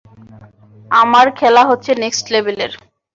আমার খেলা হচ্ছে নেক্সট লেভেলের।